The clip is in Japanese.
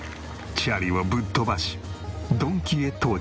チャリをぶっ飛ばしドンキへ到着。